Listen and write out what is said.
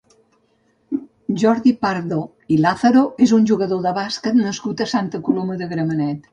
Jordi Pardo i Lázaro és un jugador de bàsquet nascut a Santa Coloma de Gramenet.